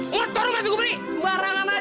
motor lu masih gubernir